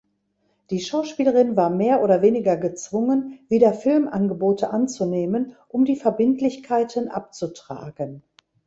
Die Schauspielerin war mehr oder weniger gezwungen, wieder Filmangebote anzunehmen, um die Verbindlichkeiten abzutragen.